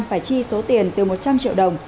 phải chi số tiền từ một trăm linh triệu đồng